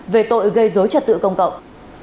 về tội gây dối trật tự công cộng